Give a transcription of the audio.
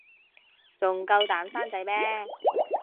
仲夠膽生仔咩